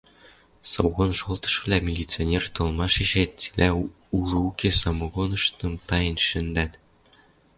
самогон шолтышывлӓ милиционер толмашешет цилӓ улы-уке самогоныштым таен шӹндӓт...